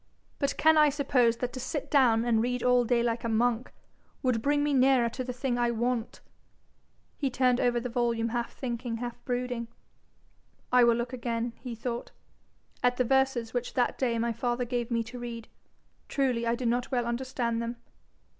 'But can I suppose that to sit down and read all day like a monk, would bring me nearer to the thing I want?' He turned over the volume half thinking, half brooding. 'I will look again,' he thought, 'at the verses which that day my father gave me to read. Truly I did not well understand them.'